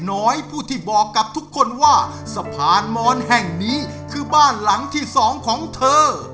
ผู้ที่บอกกับทุกคนว่าสะพานมอนแห่งนี้คือบ้านหลังที่สองของเธอ